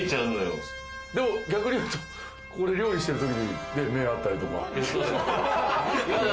でも逆に言うと、ここで料理してる時に目が合ったりとか。